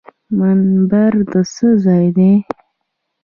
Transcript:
منبر د څه ځای دی؟